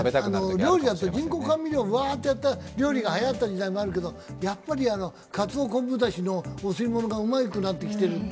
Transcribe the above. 料理だと、人工甘味料うわーっとやった料理がはやった時代があるけどやっぱりカツオこんぶだしのお吸い物がうまくなってきている。